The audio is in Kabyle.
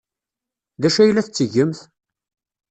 D acu ay la tettgemt?